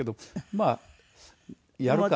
まあやるかな？